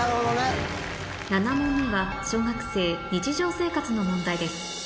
７問目は小学生日常生活の問題です